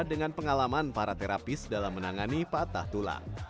dengan pengalaman para terapis dalam menangani patah tulang